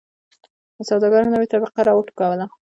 د سوداګرو نوې طبقه را و ټوکوله.